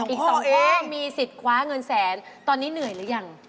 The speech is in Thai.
อีก๒เอ๊มีสิทธิ์คว้าเงินแสนตอนนี้เหนื่อยหรือยัง